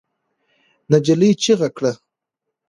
نجلۍ چيغه کړه.